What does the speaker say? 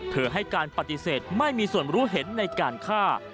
ให้การปฏิเสธไม่มีส่วนรู้เห็นในการฆ่า